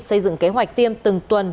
xây dựng kế hoạch tiêm từng tuần